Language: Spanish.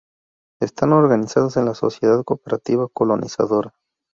Están organizados en la Sociedad Cooperativa Colonizadora.